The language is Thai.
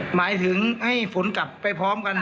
หมายถึงให้ฝนกลับไปพร้อมกัน